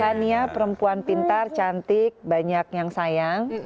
tania perempuan pintar cantik banyak yang sayang